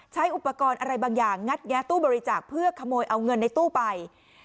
ใช้อุปกรณ์อะไรบางอย่างงัดแงะตู้บริจาคเพื่อขโมยเอาเงินในตู้ไป